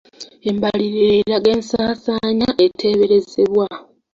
Embalirira eraga ensaasaanya eteeberezebwa.